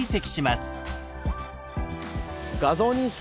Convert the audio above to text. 画像認識